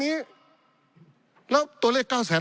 ปี๑เกณฑ์ทหารแสน๒